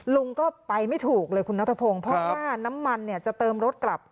ลุงก็ไปไม่ถูกเลยคุณนัทพงศ์เพราะว่าน้ำมันเนี่ยจะเติมรถกลับ